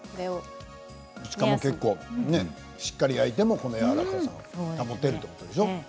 しかも結構しっかり焼いてもこのやわらかさが保てるということでしょう？